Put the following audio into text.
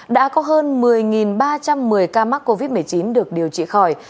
đã có hơn một mươi ba trăm một mươi ca mắc covid một mươi chín được điều trị khỏi